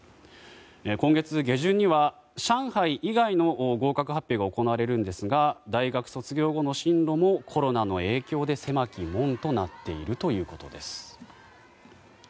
今月下旬には上海以外の合格発表が行われるんですが大学卒業後の進路もコロナの影響で狭き門となっているということです。